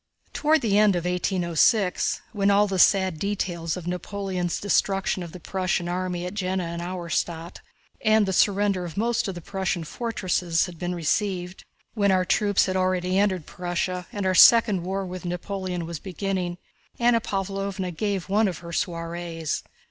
Toward the end of 1806, when all the sad details of Napoleon's destruction of the Prussian army at Jena and Auerstädt and the surrender of most of the Prussian fortresses had been received, when our troops had already entered Prussia and our second war with Napoleon was beginning, Anna Pávlovna gave one of her soirees.